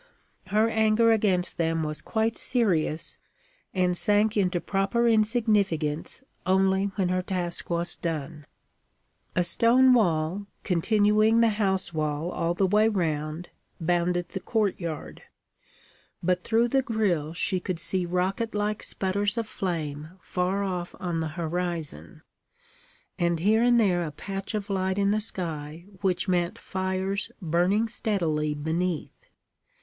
Her anger against them was quite serious, and sank into proper insignificance only when her task was done. A stone wall, continuing the house wall all the way round, bounded the courtyard; but through the grille she could see rocket like sputters of flame far off on the horizon, and here and there a patch of light in the sky which meant fires burning steadily beneath.